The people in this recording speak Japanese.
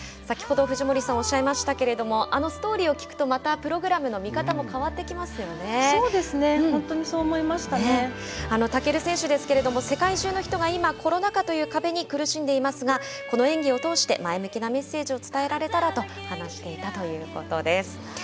先ほど藤森さんがおっしゃいましたけれどもあのストーリーを聞くとまたプログラムの見方もそうですね尊選手ですけれども世界中の人が今コロナ禍という壁に苦しんでいますがこの演技を通して前向きなメッセージを伝えられたらと話していたということです。